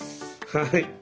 はい。